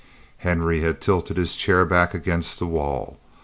Henry had tilted his chair back against the wall.